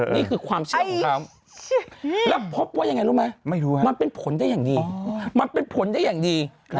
นี่คือความชิดของเขาแล้วพบว่ายังไงรู้ไหมมันเป็นผลได้อย่างดี